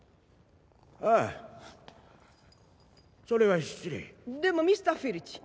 ああそれは失礼でもミスター・フィルチ